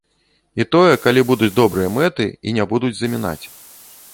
І тое, калі будуць добрыя мэты і не будуць замінаць.